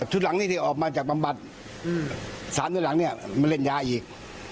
ชุดหลังนี้ที่ออกมาจากบำบัด๓เดือนหลังเนี่ยมาเล่นยาอีก